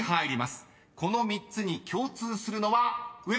［この３つに共通するのは上田さん］